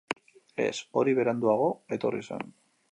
Ez, hori beranduago etorri zen.